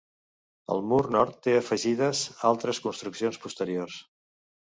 El mur nord té afegides altres construccions posteriors.